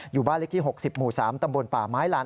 อยู่บ้านเล็กที่๖๐หมู่๓ตำบลป่าไม้ลัน